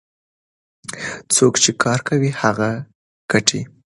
څوک چې کار کوي هغه ګټي.